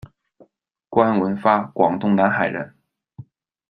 关文发，广东南海人。